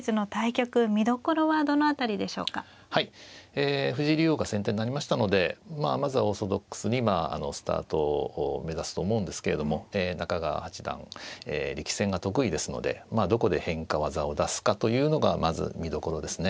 ええ藤井竜王が先手になりましたのでまあまずはオーソドックスにスタートを目指すと思うんですけれども中川八段力戦が得意ですのでまあどこで変化技を出すかというのがまず見どころですね。